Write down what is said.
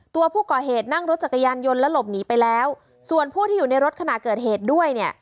ตัวผู้ก่อเหตุนั่งรถจักรยานยนต์แล้วหลบหนีไปแล้วส่วนผู้ที่อยู่ในรถขณะเกิดเหตุด้วยเนี่ย